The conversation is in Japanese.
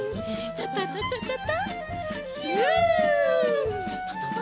タタタタタタひゅ！